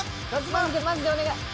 マジでマジでお願い。